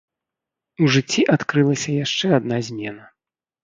У жыцці адкрылася яшчэ адна змена.